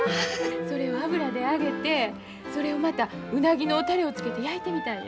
それを油で揚げてそれをまたうなぎのタレをつけて焼いてみたんや。